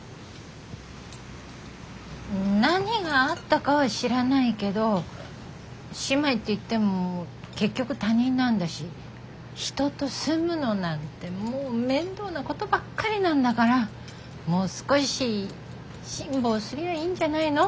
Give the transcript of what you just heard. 何があったかは知らないけど姉妹っていっても結局他人なんだし人と住むのなんてもう面倒なことばっかりなんだからもう少し辛抱すりゃいいんじゃないの？